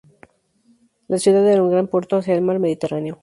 La ciudad era un gran puerto hacia el mar Mediterráneo.